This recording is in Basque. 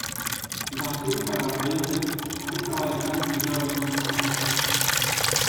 Gasteiztarra jaiotzez, Aretxabaletan igaro zuen haurtzaroa.